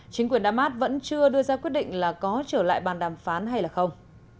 chính quyền đam mát vẫn chưa đưa ra quyết định là có trở lại bàn đàm phán hay không